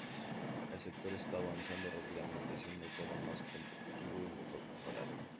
El sector está avanzado rápidamente hacia un mercado más competitivo y mejor preparado.